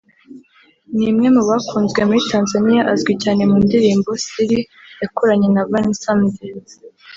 ni umwe mu bakunzwe muri Tanzania azwi cyane mu ndirimbo “Siri” yakoranye na Vanessa Mdee